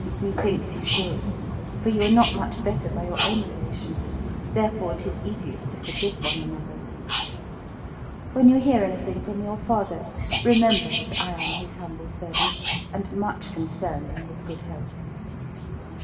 Methinks you should; for you are not much better by your own relation; therefore 'tis easiest to forgive one another. When you hear anything from your father, remember that I am his humble servant, and much concerned in his good health.